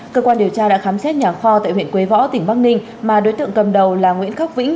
cơ quan điều tra đã khám xét nhà kho tại huyện quế võ tỉnh bắc ninh mà đối tượng cầm đầu là nguyễn khắc vĩnh